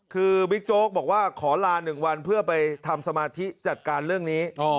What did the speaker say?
คือบิ๊กโจ๊กบอกว่าขอลา๑วันเพื่อไปทำสมาธิจัดการเรื่องนี้